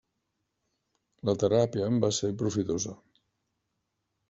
La teràpia em va ser profitosa.